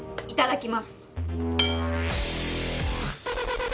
いただきます。